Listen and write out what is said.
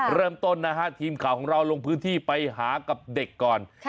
เริ่มต้นนะฮะทีมข่าวของเราลงพื้นที่ไปหากับเด็กก่อน